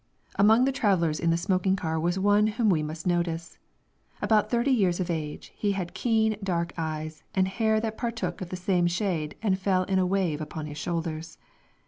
Among the travelers in the smoking car was one whom we must notice. About thirty years of age, he had keen, dark eyes, and hair that partook of the same shade and fell in a wave upon his shoulders.